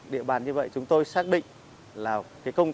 địa bàn như vậy chúng tôi xác định là công